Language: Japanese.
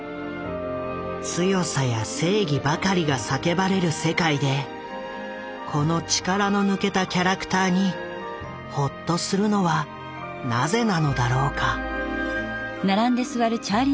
強さや正義ばかりが叫ばれる世界でこの力の抜けたキャラクターにほっとするのはなぜなのだろうか？